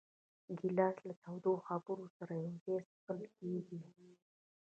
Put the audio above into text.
ګیلاس له تودو خبرو سره یو ځای څښل کېږي.